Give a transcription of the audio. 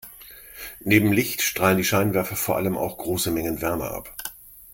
Neben Licht strahlen die Scheinwerfer vor allem auch große Mengen Wärme ab.